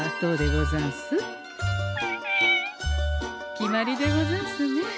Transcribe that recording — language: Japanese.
決まりでござんすね。